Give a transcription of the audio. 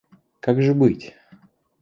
Как же быть?